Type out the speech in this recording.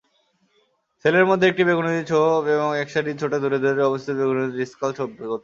Sell এর মধ্যে একটি বেগুনী ছোপ এবং একসারি ছোট দূরে দূরে অবস্থিত বেগুনী ডিসকাল ছোপ বর্তমান।